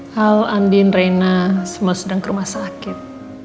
hal andi dan reina semua sedang ke rumah sakit